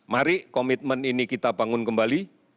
mari komitmen ini kita bangun kembali